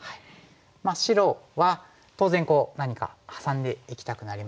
白は当然何かハサんでいきたくなりますよね。